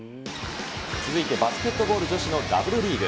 続いてバスケットボール女子のＷリーグ。